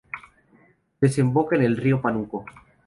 Desemboca en el río Panuco.